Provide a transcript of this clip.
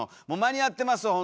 もう間に合ってます